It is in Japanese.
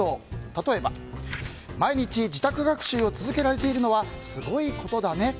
例えば、毎日自宅学習を続けられているのはすごいことだね。